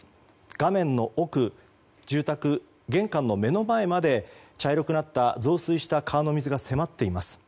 画面の奥住宅玄関の目の前まで茶色くなった増水した川の水が迫っています。